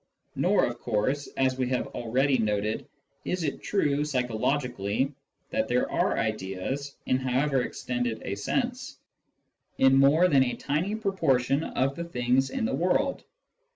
Nor, of course, as we have already noted, is it true psychologically that there are ideas (in however extended a sense) of more than a tiny proportion of the things in the world.